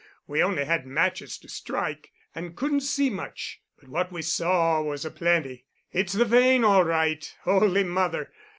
We only had matches to strike and couldn't see much, but what we saw was a plenty. It's the vein, all right. Holy Mother!